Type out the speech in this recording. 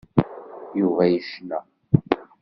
Yuba yecna.